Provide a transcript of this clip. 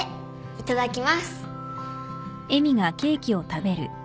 いただきます